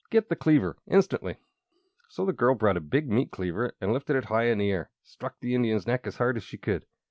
Get the cleaver instantly!" So the girl brought a big meat cleaver, and lifting it high in the air, struck the Indian's neck as hard as she could.